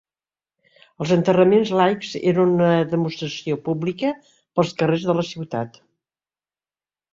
Els enterraments laics eren una demostració pública pels carrers de la ciutat.